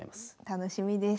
楽しみです。